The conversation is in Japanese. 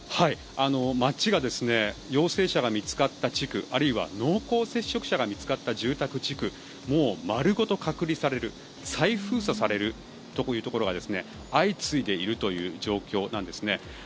街が陽性者が見つかった地区あるいは濃厚接触者が見つかった住宅地区もう丸ごと隔離される再封鎖されるというところが相次いでいるという状況なんですね。